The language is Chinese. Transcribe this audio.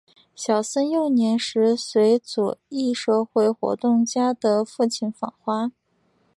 小森幼年时曾随左翼社会活动家的父亲访华。